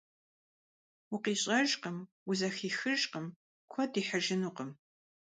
УкъищӀэжкъым, узэхихыжкъым, куэд ихьыжынукъым.